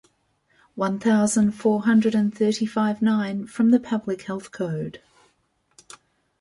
One thousand four hundred and thirty-five-nine from the Public Health Code.